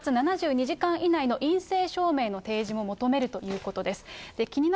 かつ出発７２時間以内の陰性証明の提示も求めるということです。